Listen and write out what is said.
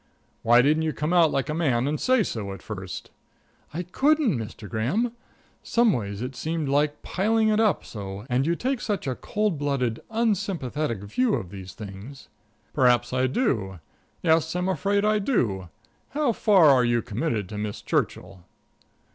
"Why didn't you come out like a man and say so at first?" "I couldn't, Mr. Graham. Someways it seemed like piling it up so, and you take such a cold blooded, unsympathetic view of these things." "Perhaps I do; yes, I'm afraid I do. How far are you committed to Miss Churchill?"